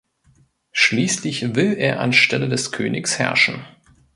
Schließlich will er an Stelle des Königs herrschen.